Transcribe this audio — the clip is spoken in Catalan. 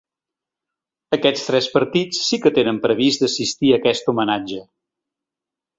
Aquests tres partits sí que tenen previst d’assistir a aquest homenatge.